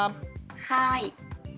はい。